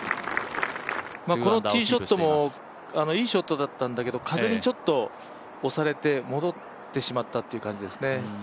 このティーショットもいいショットだったんだけど風にちょっと押されて戻ってしまったという感じですね。